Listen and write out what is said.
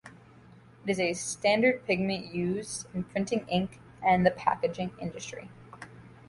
It is a standard pigment used in printing ink and the packaging industry.